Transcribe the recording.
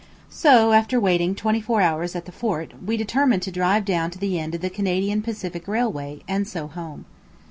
So after waiting twenty four hours at the fort, we determined to drive down to the end of the Canadian Pacific Railway, and so home.